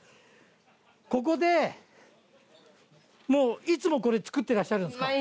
ここでもういつもこれ作ってらっしゃるんですか？